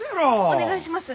お願いします！